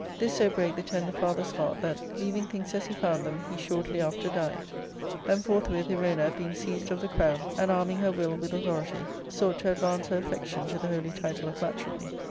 This so bfake the tender father's heart that, leaving things as he found them, he shortly after died. Theix forthwith Erona, being seized* of the crown, and arming her will with authority, sought to advance her affection to the holy title of matrimony.